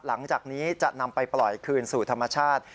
หลังจากนี้จะนำไปปล่อยคืนสู่ธรรมชาติ